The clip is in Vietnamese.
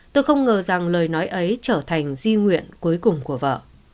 tôi không ngờ rằng lời nói ấy trở thành di nguyện cuối cùng của vợ